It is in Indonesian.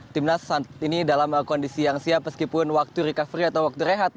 timnas saat ini dalam kondisi yang siap meskipun waktu recovery atau waktu rehat